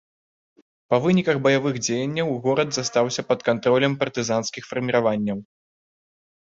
Па выніках баявых дзеянняў горад застаўся пад кантролем партызанскіх фарміраванняў.